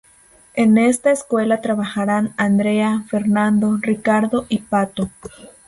En esta escuela trabajaran Andrea, Fernando, Ricardo y Pato.